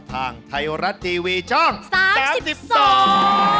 ทางไทยรัฐทีวีช่องสามสามสิบสอง